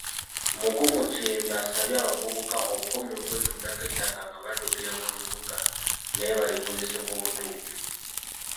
Omukungu Kiyemba asabye abavubuka okukomya okwetundako ettaka nga baddukira mu bibuga naye balikozese mubutuffu.